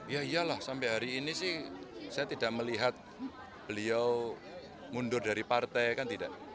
ya iyalah sampai hari ini sih saya tidak melihat beliau mundur dari partai kan tidak